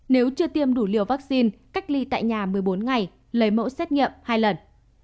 nếu chưa tiêm đủ liều vaccine cách ly tại nhà một mươi bốn ngày lấy mẫu xét nghiệm hai lần